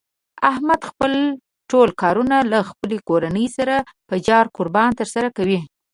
احمد خپل ټول کارونه له خپلې کورنۍ سره په جار قربان تر سره کوي.